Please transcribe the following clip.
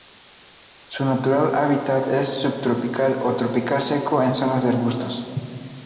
Su natural hábitat es subtropical o tropical seco en zonas de arbustos.